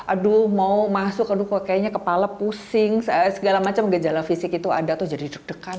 aduh mau masuk aduh kok kayaknya kepala pusing segala macam gejala fisik itu ada tuh jadi deg degan